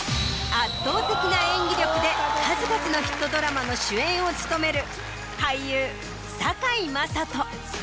圧倒的な演技力で数々のヒットドラマの主演を務める。